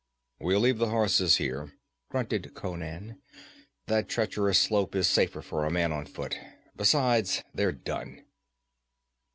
'We'll leave the horses here,' grunted Conan. 'That treacherous slope is safer for a man on foot. Besides, they're done.'